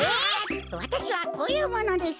わたしはこういうものです。